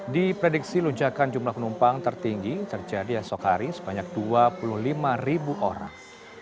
di prediksi lunjakan jumlah penumpang tertinggi terjadi esok hari sebanyak dua puluh lima ribu orang